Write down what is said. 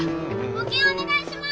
募金お願いします！